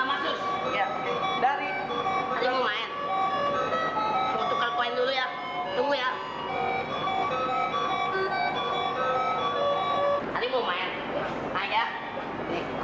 nah ini kita main mainan yuk